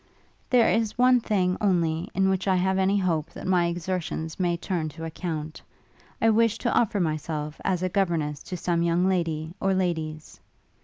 'There is one thing, only, in which I have any hope that my exertions may turn to account; I wish to offer myself as a governess to some young lady, or ladies.'